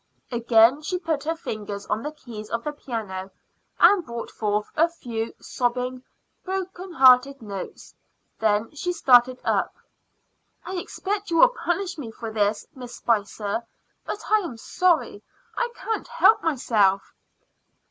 Again she put her fingers on the keys of the piano and brought forth a few sobbing, broken hearted notes. Then she started up. "I expect you will punish me for this, Miss Spicer, but I am sorry I can't help myself."